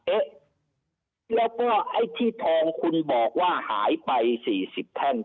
เอ๊ะแล้วก็ไอ้ที่ทองคุณบอกว่าหายไป๔๐แท่ง